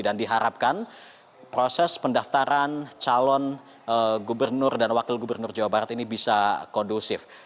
dan diharapkan proses pendaftaran calon gubernur dan wakil gubernur jawa barat ini bisa kondusif